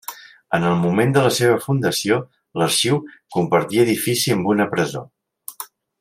En el moment de la seva fundació l'arxiu compartí edifici amb una presó.